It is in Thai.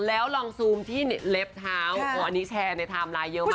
แล้วลองซูมที่เล็บเท้าอันนี้แชร์ในไทม์ไลน์เยอะมาก